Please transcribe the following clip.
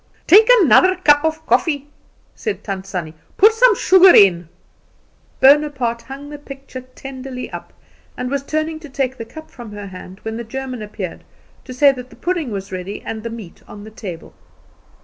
"Take another cup of coffee," said Tant Sannie. "Put some sugar in." Bonaparte hung the picture tenderly up, and was turning to take the cup from her hand, when the German appeared, to say that the pudding was ready and the meat on the table.